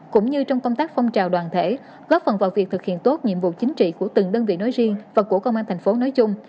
cũng như trong công tác phong trào đoàn thể góp phần vào việc thực hiện tốt nhiệm vụ chính trị của từng đơn vị nói riêng và của công an thành phố nói chung